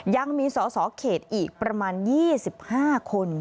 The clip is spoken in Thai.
ยังมีสอสอเขตอีกประมาณ๒๕คน